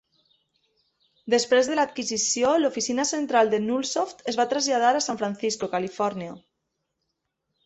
Després de l'adquisició, l'oficina central de Nullsoft es va traslladar a San Francisco, Califòrnia.